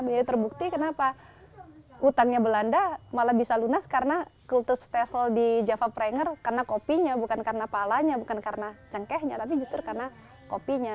jadi terbukti kenapa utangnya belanda malah bisa lunas karena kultus tesel di java pranger karena kopinya bukan karena palanya bukan karena cangkehnya tapi justru karena kopinya